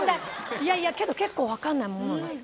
いやいやけど結構分かんないものなんですよ。